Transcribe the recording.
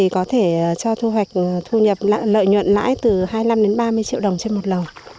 có thể cho thu hoạch thu nhập lợi nhuận lãi từ hai mươi năm đến ba mươi triệu đồng trên một lồng